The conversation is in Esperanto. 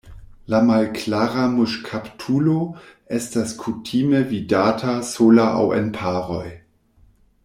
La Malklara muŝkaptulo estas kutime vidata sola aŭ en paroj.